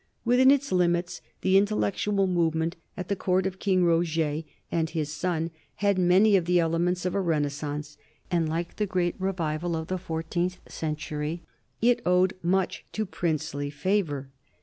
Within its limits the intellectual movement at the court of King Roger and his son had many of the elements of a renaissance, and like the great revival of the fourteenth century, it owed much to princely favor.